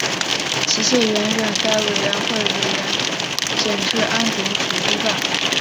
齐燮元任该委员会委员兼治安总署督办。